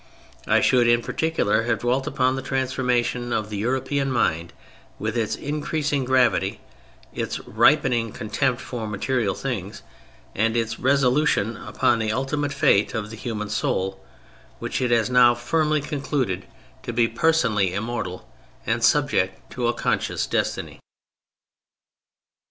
I should in particular have dwelt upon the transformation of the European mind with its increasing gravity, its ripening contempt for material things, and its resolution upon the ultimate fate of the human soul, which it now had firmly concluded to be personally immortal and subject to a conscious destiny.